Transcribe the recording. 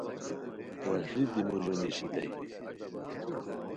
وشلی دی موژو نیشیتائے